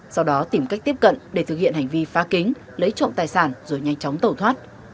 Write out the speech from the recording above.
sau đó tìm cách tiếp cận để thực hiện hành vi phá kính lấy trộm tài sản rồi nhanh chóng tẩu thoát